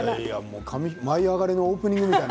「舞いあがれ！」のオープニングみたいな。